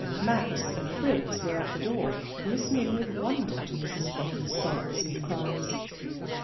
Max and Fritz were at the door, listening with wonder to Mrs. Becky's sobs and cries.